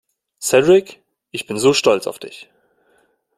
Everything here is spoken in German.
Cedric, ich bin so stolz auf dich!